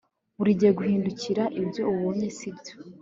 burigihe guhindukirira ibyo ubonye sibyo